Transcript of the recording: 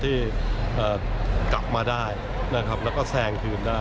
ที่กลับมาได้แล้วก็แสงถืนได้